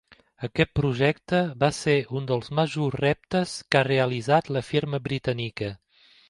Aquest projecte va ser un dels majors reptes que ha realitzat la firma britànica.